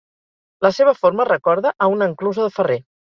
La seva forma recorda a una enclusa de ferrer.